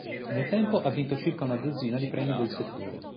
Nel tempo ha vinto circa una dozzina di premi del settore.